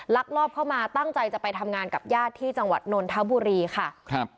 ลักลอบเข้ามาตั้งใจจะไปทำงานกับญาติที่จังหวัดนนทบุรีค่ะครับ